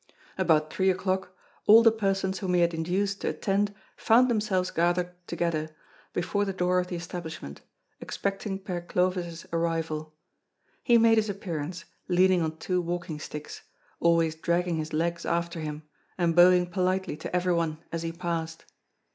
About three o'clock, all the persons whom he had induced to attend found themselves gathered together before the door of the establishment, expecting Père Clovis's arrival. He made his appearance, leaning on two walking sticks, always dragging his legs after him, and bowing politely to everyone as he passed.